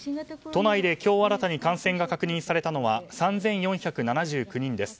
都内で今日新たに感染が確認されたのは３４７９人です。